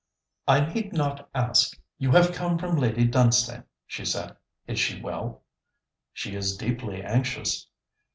'I need not ask you have come from Lady Dunstane,' she said. 'Is she well?' 'She is deeply anxious.'